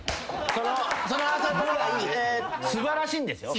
その朝ドラは素晴らしいんですよ。